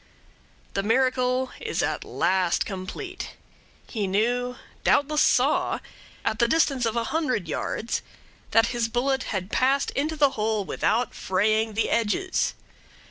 The miracle is at last complete. He knew doubtless saw at the distance of a hundred yards that his bullet had passed into the hole without fraying the edges.